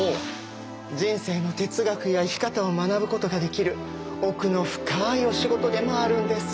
人生の哲学や生き方を学ぶことができる奥の深いお仕事でもあるんです。